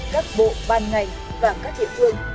các bộ ban ngành và các địa phương